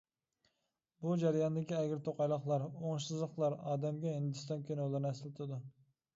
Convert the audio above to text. بۇ جەرياندىكى ئەگرى-توقايلىقلار، ئوڭۇشسىزلىقلار ئادەمگە ھىندىستان كىنولىرىنى ئەسلىتىدۇ.